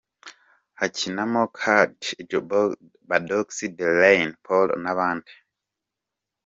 Hakinamo kandi J I, Badox, The Rain Paul, n’abandi.